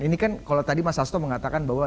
ini kan kalau tadi mas hasto mengatakan bahwa